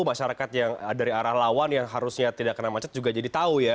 masyarakat yang dari arah lawan yang harusnya tidak kena macet juga jadi tahu ya